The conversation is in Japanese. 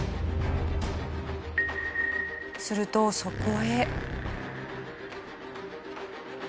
するとそこへ。